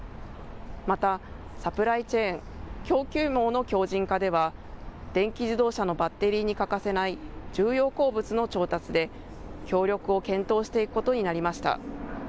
また、サプライチェーン・供給網の強じん化では、電気自動車のバッテリーに欠かせない、重要鉱物の調達で協力を検討していくことになりました。